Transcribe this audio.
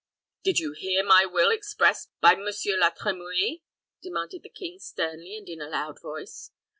"Did you hear my will expressed by Monsieur La Trimouille?" demanded the king, sternly, and in a loud tone.